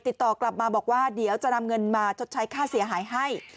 ติดต่อกลับมาบอกว่าเดี๋ยวจะนำเงินมาชดใช้ค่าเสียหายให้